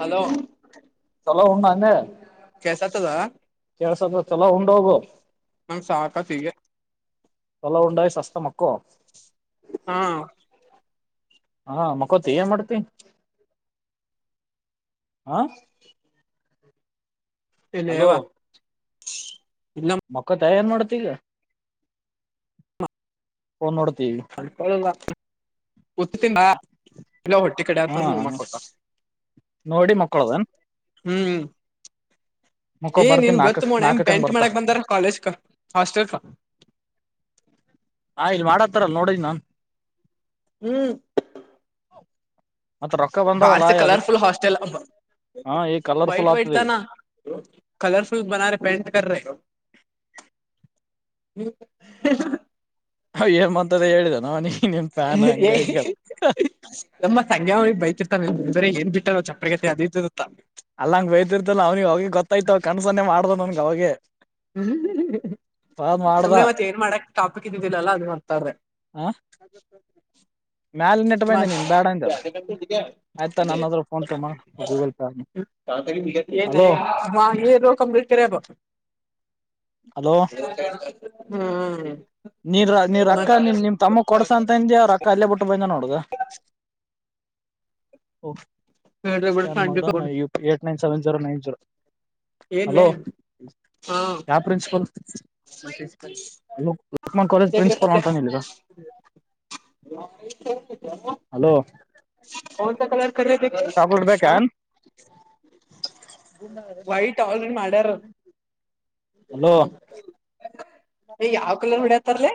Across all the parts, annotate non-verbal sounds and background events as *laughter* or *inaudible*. Hello ಹ ಉ್ಣ ಅಂಗ ಕಸತದ ಎಲ ಉು ಹೋಗೋ ಮಾಮ್ ಸಾವಕ ಸಿ ವಳವ ಉಂಡಾಯ ಶಸ್ತ ಮಕ್ಕೋ ಹಾ ಹಾ ಮಕ್ಕೊತಿ ಏ ಮಾಡ್ತಿ ಹಾ ಇಲ್ಲ ಎವ ಮಕ್ಕ ತಯಾರನ್ ಮಾಡತಲ್ಲ ನ್ಡ್ ಅ ಕೊಂಗ ಇಲ್ಲ ಹೊಟ್ಟೆ ಕಡೆ ಹಾ ಅಂತ ನಮ್ಮಕ್ತ ನೋಡಿ ಮಕ್ಕಳದನ್ ಹ್ಮ್ ಮಕ್ಕೋ ಏ ಬರ್ತೀನಿ ನಿನ್ ನಾಕಕ್ ಗೊತ್ತ ಮೋಣ ಹೆಮ ನಾಕಕ್ ಹಂಗ್ ಪೆಂಟ್ ಬರ್ತಾ ಮಾಡಕ್ ಬಂದಾರ ಕಾಲೇಜ್ ಕ ಹಾಸ್ಟೆಲ್ಕ ಹಾ ಇಲ್ ಮಾಡತ್ತಾರಲ್ ನೋಡಿದಿ ನಾನ್ ಹ್ಮ್ ಮತ್ ರೊಕ್ಕ ಬಂದಾವಲ್ಲ ಬಹಾರಸ ಅದಕ್ ಕಲರ್ಫುಲ್ ಹಾಸ್ಟಲ್ ಅಮ ಹಾ ಈಗ ಕಲರ್ಫುಲ್ ವ್ಟ್ ವೈಟ್ ಆಗ್ತದೆ ಈಗ ನಾ ಕಲರ್ಫುಲ್ ಬ ರ ಪೇಂಟ್ ರ ಹ್ಮ ಹ ಏ ಅಂತ ಹೇಳಿದ ನನಿ ಏ ನಮ್ಮ ಸಂಗ್ಯಾವಳಿ ಬೈತಿರ್ತಾನ ಬೇರೆ ಏನ್ ಬಿಟ್ಟಾರ ಚಪ್ರಗತೆ ಅದ ಅಲ್ಲಂಗ ಬಯ್ತಿರ್ತಲ್ಲ ಅವನಿ ಅವಿ ಗೊತ್ತಾಯ್ತವ ಕಣಸನ್ನೆ ಮಾಡ್ದ ನನ್ಗ ಅವೆ ಹ್ಮ ಸುಮ್ನೆ ಮತ್ತತ್ ಏನ್ ಮಾಡಕ್ ಟಾಪಿಕ್ ಇದ್ದಿದ್ದಿಲ್ಲಲ್ಲ ಅದ ಮಾಡ್ತಾರ್ರ ಆ ಮ್ಯಾಲ ನೆಟ್ ಮ ಬಂದೆ ನೀನ್ ಬೇಡ ಯ ಅಂದಲ್ಲ ಕತ ಆಯ್ತಾ ನನ್ನ ಹತ್ರ ಫೋನ್ ಪೇ ಮಾಡ ಗೂಗಲ್ ಪೇ ಹಲೋ ಬ ಹಲೋ ಹ್ಮ ನೀ ನೀವ ರಕ್ಕ ನಿ ನಿಮ ತಮ್ಮ ಕೊಡಸ ಅಂತಂದಿ ಅವ್ ರೊ ಅಲ್ಲೇ ಬಿಟ್ಟು ಬಂದ್ ನೋ ದ ಓ ಹೇಳ್ರಿ ಬಿಡ ಸ್ಕ್ಯಾನ್ ಸಂಜೆ ಮಾಡೋ ಕೊಡ್ eight nine seven zero nine zero ಏನ್ಲೆ ಹಲೋ ಹಾ ಯ ಪ್ರಿನ್ಸಿಪಲ್ ಮನ್ ಕಾಲೇಜ್ ಬೇಕ್ರಿ ಮತ್ತೆ ಪ್ರಿನ್ಸಿಪಲ್ ನಿರ ಹಲೋ ಕೌನ್ಸ ಕಲರ್ ಕ ಚಾಕ್ಲೇಟ್ ಹಾ ಬೇಕನ್ ವೈಟ್ ಆಲ್ನ್ ಮಾಡ್ಯಾರ ಹಲೋ ಯಾವ್ ಕಲರ್ ಹೊಡತಾರಲ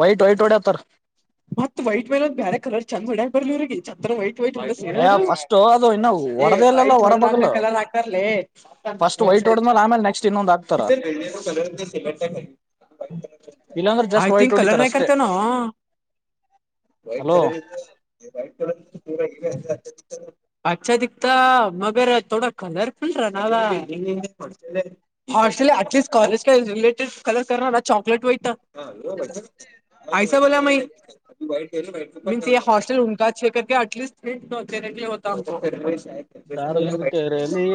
ವೈಟ್ ವೈಟ್ ಒಓಡೆಯತ ಮತ್ತ ವೈಟ್ ಮೇಲೆ ಒ ಬೇರೆ ಕಲರ್ ಚಂದ ಹೊಡ್ಯಾಕ್ ಬರ್ಲಿವ್ರರಿಗೆ ಚಂದರ ವೈಟ್ ವೈಟ್ ಏ ಫಸ್ಟ್ ಅದು ಇನ್ನು ಹೊಡದ ಇಲ್ಲಲ್ಲ ಹೊಡ ಹೊರಬಗಲ್ ನಾನ ಕಲರ್ ಆಕಾರಲ ಆತ ಬ ಫಸ್ಟ್ ಕಲರ್ ವೈಟ್ ಹೊಡದ್ಮೇಲೆ ಆಮೇಲೆ ನೆಕ್ಸ್ಟ್ ಇನ್ನೊಂದ್ ಹಾಕ್ತಾರ ಸಲೆಕ್ ಇಲ್ಲಾಂದ್ರೆ ಆಯ ಜಸ್ಟ್ ವೈಟ್ ಥಿಂಕ ಕಲರ್ ಹೊಡಿತಾರ ನ ಅಷ್ಟೇ ಕತ ನ ವ್ಟ್ ಹಲೋ ಕಲರ್ ಇ ವಟ್ ಕಲರ್ ಅಚ್ಚ ದಕ್ತ ಮಗರ್ ಥೋಡ ಕಲರ್ಫಲ್ ರ ನ ಹ ಹ ಎಟಲಿಸ್ಟ್ ಕಾಲಜ ರಲೆಟಡ್ ಕಲರ್ ಚಾಕಲೆಟ್ ವೈಟ್ಟ ಹ ಪಯಸ ಬೋಲ ಮ ಮೀನ್ಸ್ ಈ ಹಾಸ್ಟೆಲ್ ಹಾ ಕ ಅಟ್ಲಿಸ್ಟ್ ನೆ ದಾರಲಿಂಗ ಕೇರಿಯಲ್ಲಿ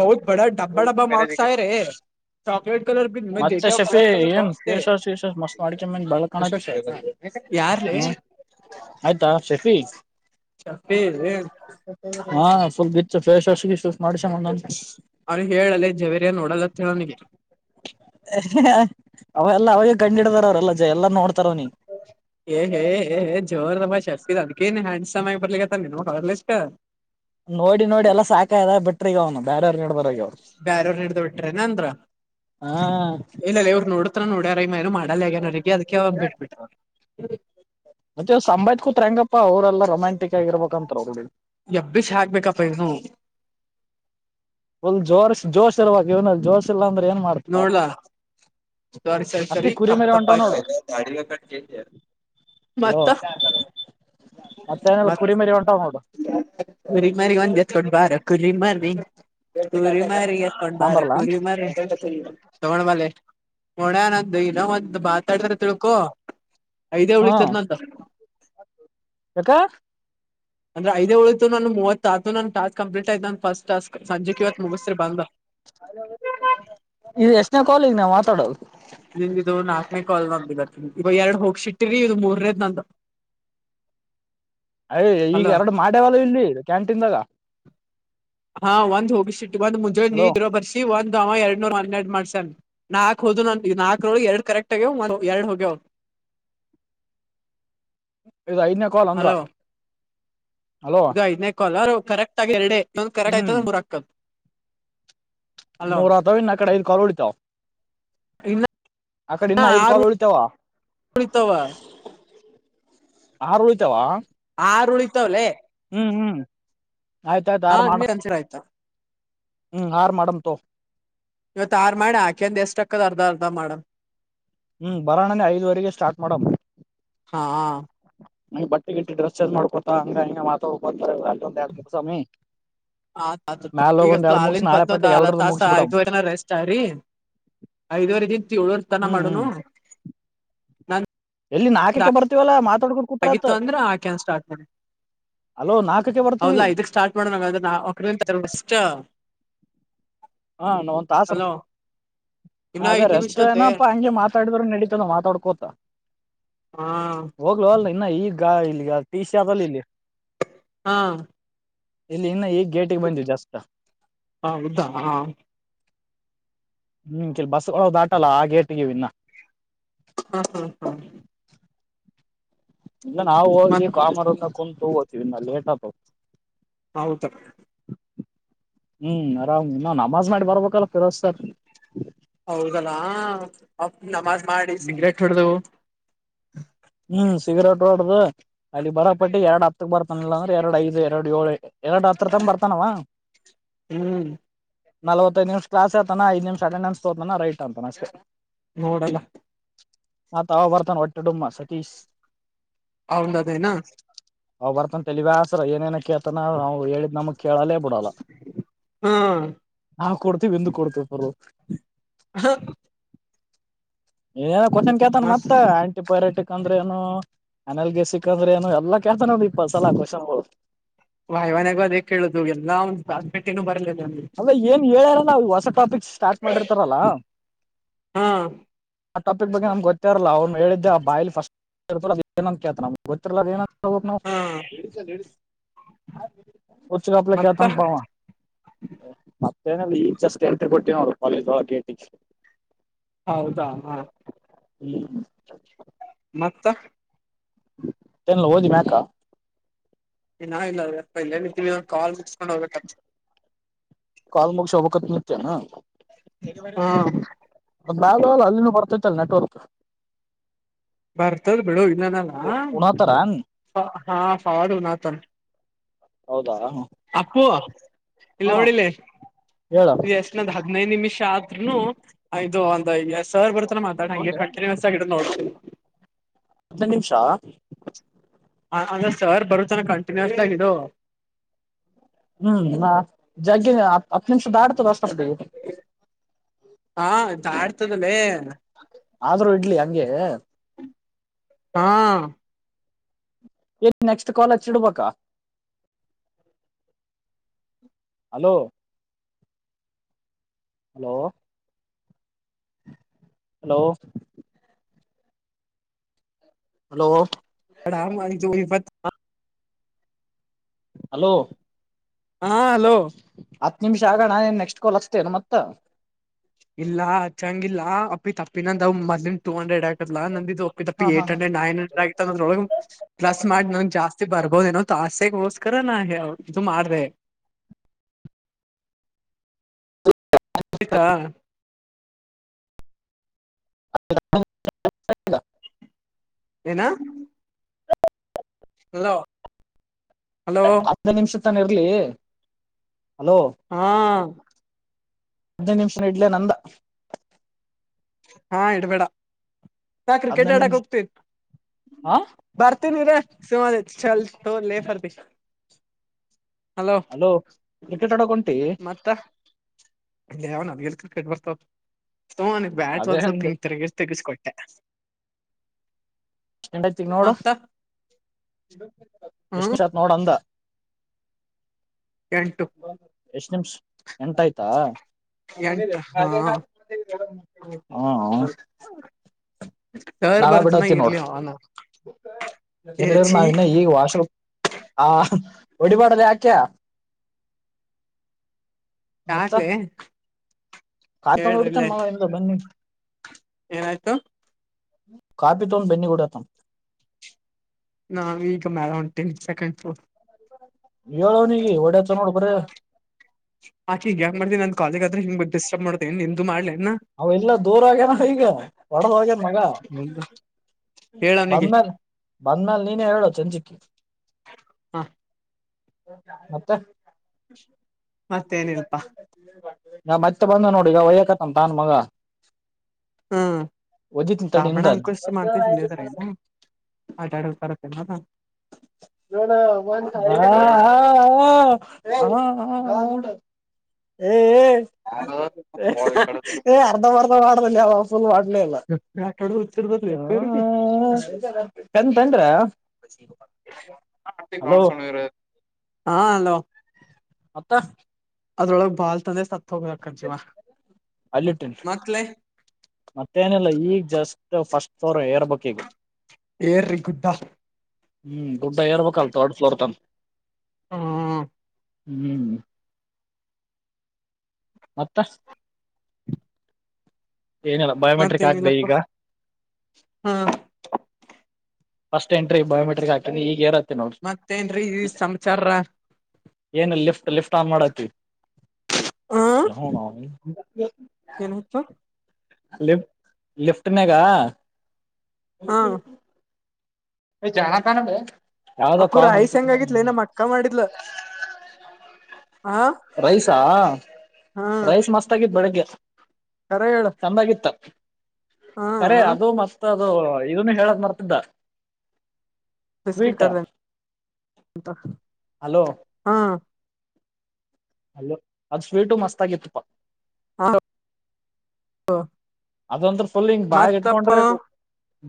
ಬೌತ್ ಬಡ ಡಬ್ಬಾ ಡಬ್ಬಾ ಮಾರ್ಕ್ಸ್ ಆಯ ರೆ ಮತ್ತೆ ಶೆಫಿ ಏನ್ ಬಾಕ್ಸ್ ತೆ ಪಸಸ್ ಶಸಸ್ ಮಸ್ತ್ ಮಾಡಕಮ್ಮನ್ ಬಳ ಕ ಯಾರ್ಲೆ ಹ್ಮ ಆಯ್ತಾ ಶಫಿ *inaudible* ಹಾಫುಲ್ ಗಿಚ್ ಫ್ಫ್ ಗಿ ಅವನು ಹೇಳಲ್ಲ ಜವೇರಿಯ ನೋಡಲತ್ತ ಅವನಿಗೆ ಅವೆಲ್ಲ ಅವಾಗ ಕಂಡ ಹಿಡದಾರ ಅವ್ರೆಲ್ಲ ಜ ಎಲ್ಲ ನೋಡ್ತ ಏ ಹೇ ಏ ಹೇ ಜೋರ್ ನಮ್ಮ ಶಸ್ತಿ ಅದ್ಕೇನ್ ಹ ಸಮಯ ಬದಲಿಷ್ಟ ನೋಡಿ ನೋಡಿ ಎಲ್ಲಾ ಸಾಕಾಯ ಬಿಟ್ರಿಗ ಅವ್ನು ಬೇರವ್ರ ಹೇಡಬಾರು ಬ್ಯರವ್ರ ಹಿಡ್ದ ಬಿಟ್ರೆನ ಅಂದ್ರ ಹಾ ಇಲ್ಲಲ್ಲ ಇವರು ನೋಡ ಹತ್ರ ನೋಡ್ಯಾರ್ ಏನು ಮಾಡಲ್ಲ ಯಗ್ಯನಗೆ ಅದಕ್ಕೆ ಬಿಟ್ಬಿಟ ಮತ್ತೆ ಸಂಂಬಾಜತ್ ಕೂತ್ಂಗ ಅಪ್ಪಾ ಅವ್ರಲ್ಲ ರೊಮ್ಯಾಂಟಿಕ್ ಆಗಿರ್ಬೇಕಂತ ಅವ್ರ ಎಬ್ಬಿಸಿ ಹಾಕ್ಬೇಕಪ್ಪ ಇವ್ನು ಲ್ ಜೋರ್ ಜೋಶ ಇರ್ವ ಇವ್ನಲ್ಲಿ ಜೋರ್ಶ ಇಲ್ಲಾ ಅಂದ್ರೆ ಏನ್ ಮಾಡ್ತ ಪಾಪ ಸರಿ ಸರಿ ಅತ್ತಿ ಸರಿ ಕುರಿ ತಪ್ಪ ಮರಿ ತಪ್ಪ ಹೊಂಟಾವ್ ಆಯ್ತಾ ನೋಡು ಗಾಡಿ ಕ ಹಲೋ ಮತ್ತೇನ ಮತ್ ಕುರಿ ಮರಿ ಹೊಂಟಾವ್ ನೋಡು ಗರಿಗ ಮರಿಗ ಒಂದತ್ಕೊಂಡ ಬಾರ ಕುರಿ ಮರಿ ಕುರಿ ಮಾರಿ ಎತ್ಕೊಂಡ್ ಬಾರ ತಾಂಬರ್ಲಾ ಕುರಿ ಮರಿ ತಗೊಂಡ ಮಲೆ ಮಣ್ಯ ನಂದು ಇಲ್ಲ ಒಂದು ಮಾತಾಡ್ತಾರ ತಿಳ್ಕೊ ಐದೇ ಉಳಿ ಚದನಂತ ಯಾಕ್ ಅಂದ್ರ ಐದೇ ಉಳು ಮೂವ ಆತು ಾಸ್ಕ್ ಕಂಪ್ಲೀಟ್ ಆ್ತ ನ ಫಸ್ಟ್ ಸ್ಕ ಸಜೆ ಕಿವತ್ ಮುಗಸತ್ರೆ ಬಾ ಇದು ಎಷ್ಟನೇ ಕಾಲ್ ಈಗ ನಾವ್ ಮಾತಾಡೋದು ಇವ ಎರಡ್ ಹೋಗಸಿಟ್ಟಿರಿ ಇದು ಮೂರನೇದ ನಂದ ಅಯ ಈಗ ಎರಡು ಮಾಡ್ಯವಲ್ಲ ಇಲ್ಲಿ ಕ್ಯಾಂಟೀನ್ದಾಗ ಹಾ ಒಂದ್ ಹೋಗಿಸಿಟ್ಟು ಬಂದ್ ಮುಂಜಳೆ ಹಲೋ ನೀ್ರ ಬರ್ಸಿ ಒಂದ್ ಎರಡ್ ನೂರ್ ಹನ್ನೆರಡು ಮಾಡ್ಸನ್ ನಾಕ್ ಹೋದು ನ ನಾಕಕ್ ನೋಳ ಎರಡ್ ಕರೆಕ್ಟ್ ಆಗ್ಯವ ಎರಡ್ ಹೋಗ್ಯವ್ *inaudible* ಇದ ಐದನೇ ಕಾಲ್ ಅಂದ್ರ ಹಲೋ ಇದು ಐದನೇ ಕಲರ್ ಕರೆಕ್ಟ್ ಆಗ ಎರಡ ಕರೆಕ್ಟ್ ಹ್ಮ್ ಆಯ್ತದ ಮುರಾಕ್ಕ ಮೂರ್ ಆತಾವ ಇನ್ ಕಡೆ ಐದ್ ಕಳಿತಾವ ಇನ್ನ ಆ ಕಡೆ ಇನ್ನ ಐದು ಆರು ಕಾಲು ಉಳಿತಾವ ಉಳಿತಾವ ಆರು ಉಳತಾವ ಆರು ಉಳಿತವಲ್ಲೇ ಹ್ಮ್ ಹ್ಮ್ ಆಯ್ತಾಯ್ತು ಹಾ ಯಾರು ಮಾಡ ನಿನ್ನೆ ಕನ್ಸಿಡರ್ ಆಯ್ತ ಹ್ಮ್ ಆರ ಮಾಡಡಮ ತ ಇವತ್ ಆರ ಮಾಡ ಆಕೆಂದ ಎಷ್ಟ ಅಕ್ಕದ್ ಅರ್ಧ ಅರ್ಧ ಮಾಡ ಹ್ಮ್ ಬರೋಣನ ಐದ್ವರೆಗೆ ಸ್ಟಾರ್ಟ್ ಮಾಡಮ್ಮ ಹಾ ನಂಗೆ ಬಟ್ಟೆ ಗಿಟ್ಟಿ ಡ್ರೆಸ್ ಚೇಂಜ್ ಮಾಡ್ಕೊತ ಹಂಗ ಹಂಗ ಮಾತಾಕೊತಾರೆಂದ ಎರಡು ಮೂರು ಸಮಿ ಆತ ಈಗ ಅಲಿಂದ ಬಂದ ಪಟ್ಟಿಗೆ ಅ ಎಲ್ರದು ತಾಸ ಮುಗಿಸ್ ಬಿಡಮ್ ಐದುವರಿ ನ ರೆಸ್ಟ್ ಆ ಐದುವರೆ ದಂತ ಏಳುವರ್ ತನ ಹ್ಮ್ ಮಾಡೋನು ಹ್ಮ್ ಎಲ್ಲಿ ನಾಕೆ ಬರ್ತವಲ್ಲ ಮಾ ಆಗಿತ್ತು ಅಂದ್ರೆ ಆಕೆನ್ ಸ್ಟಾರ್ಟ ಮಾಡಿ ಅಲೋ ನಾಲ್ಕಕ್ಕೆ ಬರ್ತೀವಿ ಹೌದಾ ಇದಕ್ ಸ್ಟಾರ್ಟ್ ಮಾಡಣ್ರ ನಾಷ್ಟ ಹಾ ನಾವ ಒಂತ ಆಸರ ಅಲೋ ಇನ್ನ ಅದೇ ಐದ್ ರಸ್ತೆ ನಿಮಿಷತೆ ಏನಪ್ಪಾ ಹಂಗೆ ಮಾತಾಡಿದರು ನಡೀತದ ಮಾತಾಡ್ಕೋತ ಹಾ ಹೋಗ್ಲೋ ಅಲ್ಲ ಇನ್ನ ಈಗ ಇಲ್ಲಿ ಟ ಶಲ್ಲಿ ಇಲ್ಲಿ ಹಾ ಇಲ್ಲಿ ಇನ್ನು ಈಗಗ್ ಗೇಟಿಗೆ ಬಂದು ಜಾಸ್ತ ಹಾ ಉದದಾ ಹಾ ಹ್ಮ್ ಕೆಲ್ ಬಸ್ ಒಳ ದಾಟಲ್ಲ ಆ ಗೇಟ್ಗವಿನ್ನ ಹ್ಮ ಹಾ ಹಾ ಇಂದ ನಾವು ಹೋಗಿ ಮತ್ ಕಾಮಾರಸ ಕುಂತಗೋತೀವಿ ಇ ನ ಲೇಟ್ ಆಗ್ ಹೌದ ಹ್ಮ್ ಆರಾಮ್ ನಾ ನಮಾಜ್ ಮಾಡಿ ಬರ್ಬೇಕಲ್ಲ ಫಿರೋಸ್ರ್ ಹೌದಲ್ಲಾ ಅಪ್ಪ ನಮಾಜ್ ಮಾಡಿ ಹ್ಮ್ ಸಿಗರೇಟ್ ಹೊಡ್ದವು ಹ ಹ್ಮ್ ಸಿಗರೇಟ್ ರೋಡ್ದ ಅಲ್ಲಿ ಬರೋ ಪಟ್ಟಿ ಎರಡ್ ಹತ್ತಕ್ ಬರ್ತಾನಿಲ್ಲ ಅಂದ್ರೆ ಎರಡ್ ಐದು ಎರಡು ಏಳು ಎರಡು ಹತ್ರ ತಂದ ಬರ್ತಾನವ ಹ್ಮ್ ನಲವತ್ತೈದು ನಿಮಿಷ ಕ್ಲಸ್ತ ಐದು ನಿಮಿಷ ಅಟೆನ್ಸ್ ತೋತಾನ ರೈಟ್ ಅಂತಾನ ನೋಡಲ್ಲ ಮತ್ಯಾವ ಬರ್ತಾನ ಹೊಟ್ಟಿ ಡುಮ್ಮ ಸತೀಶ್ ಅವಂದದೇನು ಅವ್ ಬರ್ತಾನ ಆಸತ್ರ ಏನೇನ ಕೇಳ್ತಾನ ನಾವು ಹೇಳಿದ್ ನಮಗ್ ಕೇಳಲ್ಲೇ ಬಿಡಲ್ಲ ಹಾ ಹಾ ಕೊಡ್ತೇವಿ ಇಂದು ಕೊಡ್ತೇವ *unintelligible* ಏನ ಕೊಟ್ಟನ್ ಕೇಳ್ತನ್ ಮತ್ತ ಮಸ್ತ್ ಆಂಟಿಬಯೋಟಕ್ ಅಂದ್ರೆ ಏನು ಅನಲ್ಗೆಸಿಕ್ ಅಂದ್ರೆ ಏನು ಎಲ್ಲಾ ಕೇಳ್ತಾನೆ ನೋಡು ಇಪ್ಪತ್ತು ಸಲ ಖುಷ *unintelligible* ವಾಯ್ವನ್ಗ ಅದೇ ಕೇಳುದು ಎಲ್ಲ *unintelligible* ಬರ್ಲ ಅಲ್ಲ ಏನ್ ಹೇಳ್ಯಾರ ನಾವು ಹೊಸ ಟಾಪಿಕ್ ಸ್ಟಾರ್ಟ್ ಮಾಡಿರ್ತಾರಲ್ಲ ಹಾ ಆ ಟಾಪಕ್ ಬಗ್ಗೆಮ್ ಗೊತೇ ಇಲ್ಲ ಅವ್ನು ಹೇಳಿದ್ದೆ ಆ ಬಾಯಲ್ಲಿ ಫಸ್ಟ್ ನಮ್ ಗೊತ್ತಿರಲ್ಲ ಏನ ಹಾ *unintelligible* ಮತ್ತ ಹತಾನ ಪಾವ ಮತ್ತೇಲ್ಲಿ ಈಗಷ್ಟು ಎಂಟ್ರಿ ಕೊಟ್ಟೆ ಕಾಲೇಜ್ ಒಳಗೆ ಗೇಟಿಗೆ ಹೌದಾ ಹಾ ಹ್ಮ ಮತ್ತೆ ತನು ಓದಿ ಮ್ಯಾಕ್ಕ ಇನ್ನ ಇಲ್ಲ ಅಪ್ಪ ಇಲ್ಲೇನು *unintelligible* ಕಾಲ್ ಮುಗಿಸ್ಕೊಂಡು ಹೋಗ್ಬೇಕಂತೆ ಕಾಲ್ ಮುಗಿಸ್ಕೊಂಡು ಮತ್ತೆ ಹೋಗ್ಬೇಕೇನು ಹಾ *unintelligible* ನೆಟ್ವರ್ಕ್ ಬರ್ತದ ಬಿಡು ಇಲ್ಲನಲ್ಲ ಉಣತಾರ ಹಾ ಪಾಡುನಾಥನಾ ಹೌದಾ ಅಪ್ಪು ಇಲ್ಲಿ ಹಾ ನೋಡಿಲ್ಲಿ ಹೇಳ ಎಷ್ಟನದ ಹದನೈದು ನಿಮಿಷ ಇದು ಒಂದ ಸರ್ ಬರ್ತಾನ ಮಾತಾಡ ಹಗೆ ಒಂದೇ ಕಂಟಿನ್ಯೂಸ್ ಆಗಿ ಹಿಡಿದು ನೋಡು ಹದನೈದು ನಿಮಿಷ ಹ ಅಂದ್ರ ಸರ್ ಬರುತ್ತನ ಕಂಟಿನ್ಯೂಸ್ ಆಗ ಇಡು ಹ್ಮ್ ಜಲ್ದಿ ಹತ್ತು ನಿಮಿಷದಾಡ್ತದ ಅಷ್ಟಪ ಹಾ ಆಡ್ತದಲ್ಲೇ ಆದ್ರೂ ಇಡ್ಲಿ ಹಂಗೆ ಹಾ ಏನ್ ನೆಕ್ಸ್ಟ್ ಕಾಲ್ ಹಚ್ಚಿ ಇಡ್ಬೇಕಾ ಹಲೋ ಹಲೋ ಹಲೋ ಹಲೋ ಆ ಮಾಡವ *unintelligible* ಹಲೋ ಹಾ ಹಲೋ ಹತ್ ನಿಮಿಷ ಆಗ *unintelligible* ನೆಕ್ಸ್ಟ್ ಕಾಲ್ ಹಚ್ಟೇನ ಮತ್ತ ಇಲ್ಲ ಹಚಂಗಿಲ್ಲಲ್ಲ ಅಪ್ಪಿ ತಪ್ಪಿನಂದ್ ಮೊದಲಿಂದು ಟೂ ಹಂಡ್ರೆಡ್ ಆಗ್ತ ನಂದಿದಪ್ಪಪ್ಪ ಹಾ ಹಾ ಏಟ್ ಹಾ ಹಂಡ್ರೆಡ್ ನೈನ್ ಹಂಡ್ರೆ ಆಗತ ಅದ್ರೊಳಗ ಪ್ಲಸ್ ಮಾಡ ನ ಜಾಸ್ತಿ ಬರ್ಬೋದೇನೋ ಆಸೆಗೋಸ್ಕರ ನಾ ಇದು ಮಾಡ್ದೆ ಆಯ್ತಾ *inaudible* ಏನಾ ಹಲೋ ಹಲೋ ಬರ್ತನ್ ಇರಲೇ ಹಾ ಹದಿನೈ ನಿಮಿಷ ಇಡ್ಲೇ ನಂದ ಹಾ ಇಡಬೇಡ ನಾ ಕ್ರಿಕೆಟ್ ಹದ್ನೈದು ಆಡಕ್ ನಿಮಿಷ ಹೋಗ್ತಿನಿ ಹಾ ಬರ್ತೀನಿರೆ *unintelligible* ಚಲ್ *unintelligible* ಹಲೋ ಕ್ರಿಕೆಟ್ ಹಾಡಕ್ ಮತ್ತಾವನಾಗ ಎಲ್ಲಿ ಕ್ರಿಕೆಟ್ ಬರ್ತದ ಸೋನಗ್ ಬ್ಯಾಟ್ ಅದೇ ಒಂದ ಸ್ವಲ್ಪ ಅಂದೆ ಹಿಂಗ್ ತಿಗ ತೆಗಸ್ಕೊಟ್ಟೆ ಎಷ್ಟ ಗಂಟೈತಿಗ ನೋಡು ಮತ್ತ ಹ್ಮ ಎಷ್ಟಸತ್ ನೋಡ ಅಂದ ಎಂಟು ಎಷ್ಟ ಎಮ್ಸ್ ಎಂತ ಆಾಯ್ತಾ ಎಂಟ ಹಾ ಹಾ ರ್ ಬರ್ತನ ಇರ್ಲಿ ಅವ ಇರ್ಲರ್ ಛೀ ನಾವ ಇನ್ನ ಈಗ ವಾಷ್ರೂ ಹಾ ಒಡಿಪಾಡಲ್ಲ ಆಾಕಯ ಮತ್ತ ಯಾಕ್ಲೆ ಕಾತ ಹೊಡಿತನ್ ಹೇಳ್ರಿಲೆ ಮಗ ಎ ಬನ್ನಿ ಏನಾಯ್ತು ಕಪಿ ತೋನ್ ಬೆನ್ನಿ ಕೂಡ ತಂ ನಾ ಈಗ ಮೇಾಲ ಉಂಟೇನೆ ಸೆಕೆಂಡ್ ಫ್ಲೋರ್ ಹೇಳೋನಿಗೆ ಒಡತ ನೋಡ ಬರ ಆಾೆ ಈಗ ಹಂಗ ಮಾಡತನಿ ನ್ ಕಾಲೇಗ ಆದ್ರೆ ಹಂಗ್ ಡಿಸ್ಟರ್ಬ್ ಮಾಡತೇ ನಿಂದುು ಮಾಡ್ಲೆ ಅವ ಎಲ್ಲ ದೂರ ಆಗ್ಯನ ಈಗ ಹೊಡದಗ್ಯನ ಮಗ ಹೇಳ ಅವ್ನಿಗೆ ಬಂದ್ಮೇಲೆ ಬಂದ್ಮೇಲೆ ನೀನೇ ಹೇಳು ಚಂಜಕ್ಕಿ ಹಾ ಹತ್ತ ಮತ್ತೇನಿಲ್ಪಾ ನಾ ಮತ್ತೆ ಬಂದ ನೋಡಿ ಈಗ ಒಯಕತಂತ ನನ್ ಮಗ ಹ್ಮ್ ವದ ನಿ ತಡೆ ತಾಬಣ ಇಮದಾದ ಅಂಕುಶ್ ಮಾಡ್ತಿಸ್ ಇಲ್ಲಿದಾರೇನು ಆಟ ಆಡ ತರತ್ತೇ ನ ಹ ಹ ಹ್ಮ ಏ ಅರ್ಧ ಮರ್ಧ ಮಾಡಲ್ಲ ಯ ಫುಲ್ ಮಾಡ್ಲೇ ಇಲ್ಲ ಆಟಾಡ ಹುಚ್ಚಿರ್ದರ್ಲಿ ಎಪ್ಪೇರ್ಗೆ ಹ್ಮ ಚಂದ ತನ್್ರ ಹ ಹಲೋ ಮತ್ತ ಅದ್ರೊಳಗ್ ಬಾಲ್ ತಂದ್ರೆ ಸತ್ ಹೋಗದಕನ್ ಜೀವ ಅಲ್ಲಿಟ್ಟಿನಿ ಮಕ್ಳೇ ಮತ್ತೇನಿಲ್ಲ ಈಗ ಜಸ್ಟ್ ಫಸ್ಟ್ ಫ್ಲೋರ್ ಏರ್ಬೇಕ ಈಗ ಏರರಿ ಗುಡ್ಡ ಹ್ಮ್ ದುಡ್ಡ ಹೇರ್ಬೇಕಲ್ ಥರ್ಡ್ ಫ್ಲೋರ್ ತನ್ ಹ್ಮ ಹ ಹ್ಮ್ ಮತ್ತೆ ಏನಲ್ಲ ಬಯೋಮೆಟ್ರಿಕ್ ಆಕ್ಿದೆ ಮತ್ತೇನಿಲ್ಲಪ್ಪ ಈಗ ಹಾ ಫಟ್ ಎಂ್ರಿ ಬಯೋಮೆಟ್ರಕ್ ಆಾತದೆ ಈಗ ಇರತ್ತೆ ಮತ್ತೇನ್ೀ ಈ ಸಮಚಾರ ಏನು ಲಿಫ್ಟ್ ಲಿಫ್ಟ್ ಆನ್ ಮಾಡತ್ತವಿ ಹ ಏನಾಯ್ತು ಲಿಫ್ಟ ಲಿಫ್ಟ ಮ ಕ ಹ ಜಾಣ ತಾನ ಬ ಯಾವದೋ ಅಪ್ಪು ಕಾಲ್ ರೈಸ್ ಮಾಡ ಹೆಂಗಾಗಿತ್ಲೆ ನಮ್ ಅಕ್ಕ ಮಾಡಿದ್ಲ ಹ ರೈಸಾ ಹಾ ರೈಸ್ ಮಸ್ತ್ ಆಗಿದ ಬೆಳಿಗ್ಗೆ ಕರೆ ಹೇಳ ಚಂದಾಗಿತ್ತ ಹ ಖರೆ ಅದು ಮಸ್ತ್ ಅದು ಇದನು ಹೇಳದ ಮರ್ತಿದ್ದ ಬಿಸ್ಕಿಟ್ ಸ್ವೀಟ್ ಕದನೆಂತ ಹಲೋ ಹಾ ಅಲ್ಲ ಅದು ಸ್ವೀಟು ಮಸ್ತ್ ಆಗಿತ್ತುಪ್ಪಾ ಹ ಹ ಅದಂದ್ರ ಫಲ್ ಹಿಂಗ್ ಬಾ ಇಟ್ಕೊಂಡ್ರಿ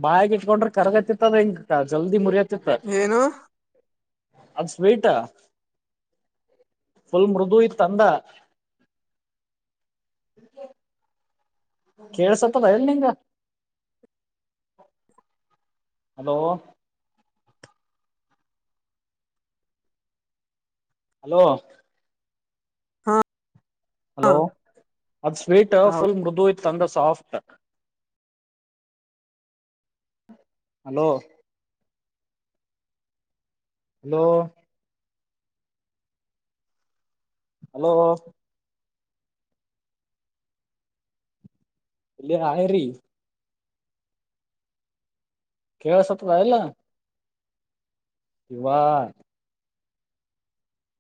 ಬಾಯಗ ಇಟ್ಕೊಂಡ್ರ ಕರ್ಗತ್ತತ್ತದ ಹೆಂಗ್ ಜಲ್ದಿ ಮುರಿಯತ್ ಏನು ಅದು ಸ್ಟಾ ಫುಲ್ ಮೃದುಯ ತಂದ ಕೇಳ್ಸತದ ಎಲ್ ನಿಂಗ ಹಲೋ ಹಲೋ ಹಾ ಹಲೋ ಅದ ಸ್ವೀಟ್ ಹಾ. ಫುಲ್ ಮೃದು ಇತ್ ಅಂದ ಸಾಫ್ಟ ಹಲೋ ಹಲೋ ಹಲೋ ಇಲ್ಲಿಯ ಆಯರಿ ಕೇಳಸತ್ ಎಲ್ಲ ಇವ